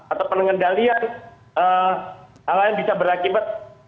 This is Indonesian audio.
atau pengendalian hal hal yang bisa berakibat